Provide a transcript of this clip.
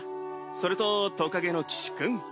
それとトカゲの騎士君。